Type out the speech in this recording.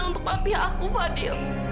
untuk papi aku fadil